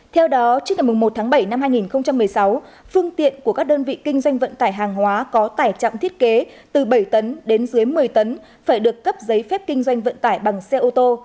theo đó trước ngày một tháng bảy năm hai nghìn một mươi sáu phương tiện của các đơn vị kinh doanh vận tải hàng hóa có tải trọng thiết kế từ bảy tấn đến dưới một mươi tấn phải được cấp giấy phép kinh doanh vận tải bằng xe ô tô